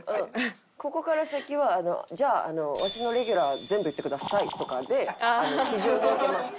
ここから先はじゃああのワシのレギュラー全部言ってくださいとかで基準を設けます。